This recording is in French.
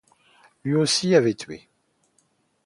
Lui aussi, avait tué.